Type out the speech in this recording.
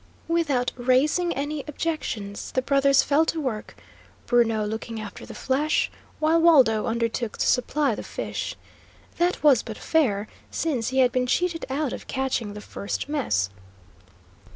Without raising any objections, the brothers fell to work, Bruno looking after the flesh, while Waldo undertook to supply the fish. That was but fair, since he had been cheated out of catching the first mess.